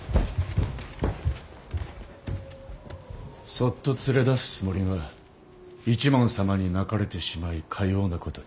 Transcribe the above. そっと連れ出すつもりが一幡様に泣かれてしまいかようなことに。